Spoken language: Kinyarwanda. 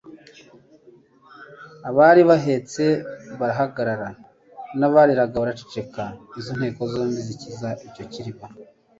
Abari bahetse barahagarara n'abariraga baraceceka. Izo nteko zombi zikikiza icyo kiriba,